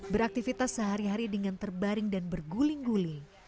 beraktivitas sehari hari dengan terbaring dan berguling guling